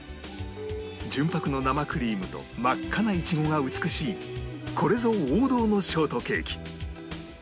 純白の生クリームと真っ赤なイチゴが美しいこれぞ王道のショートケーキ